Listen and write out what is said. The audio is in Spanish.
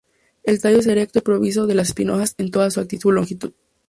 El tallo es erecto y provisto de alas espinosas en toda su longitud.